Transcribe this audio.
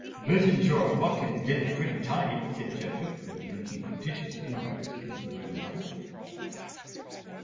"Bertinshaw and Watkins did it pretty tidy," said Jacob, who was making prodigious inroads upon the bread and butter.